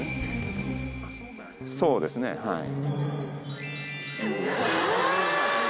そうですねはい。